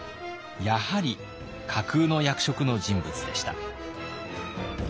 やはり架空の役職の人物でした。